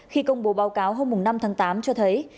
khi công bố báo cáo hôm năm tháng tám cho thấy